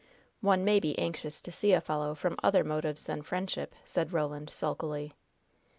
"One may be anxious to see a fellow from other motives than friendship," said Roland, sulkily.